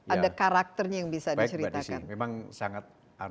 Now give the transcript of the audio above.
ada karakternya yang bisa diceritakan